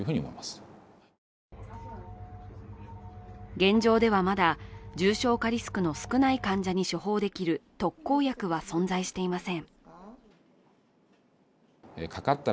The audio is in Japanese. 現状では、まだ重症化リスクの少ない患者に処方できる特効薬は存在していません。